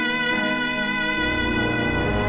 terima kasih udah nonton